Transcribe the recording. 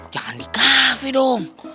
jangan di kafe dong